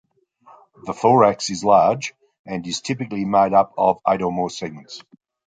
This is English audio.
The thorax is large and is typically made up of eight or more segments.